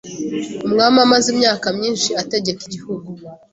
Umwami amaze imyaka myinshi ategeka igihugu.